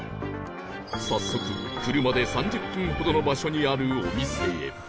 早速車で３０分ほどの場所にあるお店へ